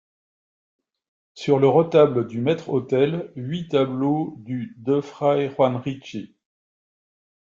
Sur le retable du maître-autel, huit tableaux du de Fray Juan Ricci.